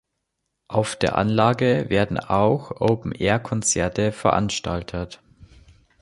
Auf der Anlage werden auch Open-Air-Konzerte veranstaltet.